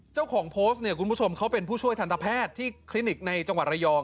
เจ้าของโพสต์เนี่ยคุณผู้ชมเขาเป็นผู้ช่วยทันตแพทย์ที่คลินิกในจังหวัดระยอง